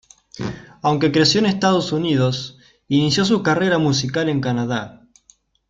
Aunque creció en los Estados Unidos, inició su carrera musical en Canadá.